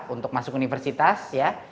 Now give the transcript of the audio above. untuk masuk ke universitas